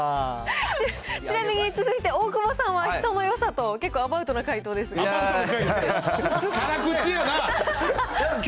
ちなみに続いて大久保さんは、人のよさと、結構アバウトな解辛口やな。